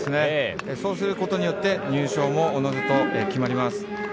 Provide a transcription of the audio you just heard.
そうすることによって入賞もおのずと決まります。